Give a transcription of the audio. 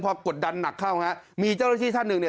พอกดดันหนักเข้านะครับมีเจ้าระชีท่านหนึ่งเนี่ย